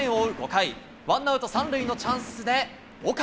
５回、ワンアウト３塁のチャンスで岡。